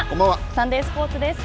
サンデースポーツです。